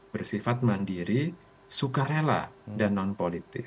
bersifat mandiri sukarela dan non politik